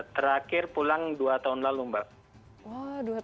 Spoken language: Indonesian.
terakhir pulang dua tahun lalu mbak